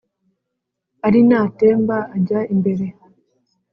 ali n’atemba ajya imbere